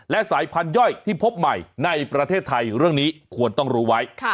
และสายพันธย่อยที่พบใหม่ในประเทศไทยเรื่องนี้ควรต้องรู้ไว้